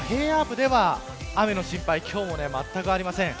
このように関東の平野部では雨の心配は今日もまったくありません。